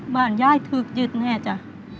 บานยายทึกยึดแน่จ๊ะ